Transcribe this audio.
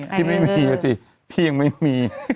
พี่ไม่มีอ่ะสิพี่ยังไม่มี